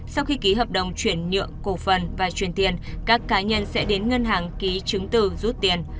sau khi ký hợp đồng chuyển nhượng cổ phần và truyền tiền các cá nhân sẽ đến ngân hàng ký chứng từ rút tiền